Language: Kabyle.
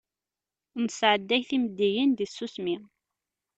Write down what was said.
Nesɛedday timeddiyin di tsusmi.